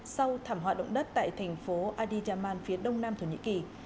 sau thảm họa động đất tại thành phố ady jaman phía đông nam thổ nhĩ kỳ